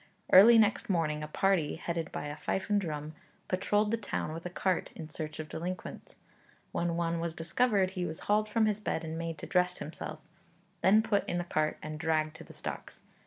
Early next morning a party, headed by a fife and drum, patrolled the town with a cart, in search of delinquents. When one was discovered, he was hauled from his bed and made to dress himself; then put in the cart and dragged to the stocks.